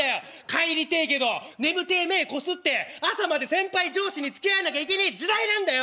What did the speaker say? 帰りてえけど眠てえ目ぇこすって朝まで先輩上司につきあわなきゃいけねえ時代なんだよ！